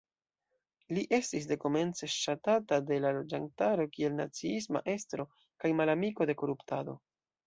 Li estis dekomence ŝatata de la loĝantaro kiel naciisma estro kaj malamiko de koruptado.